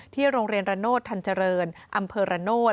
โรงเรียนระโนธทันเจริญอำเภอระโนธ